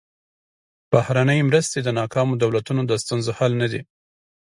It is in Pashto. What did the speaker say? بهرنۍ مرستې د ناکامو دولتونو د ستونزو حل نه دي.